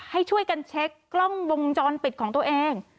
ให้ช่วยกันเช็คกล้องวงจรปิดของตัวเอง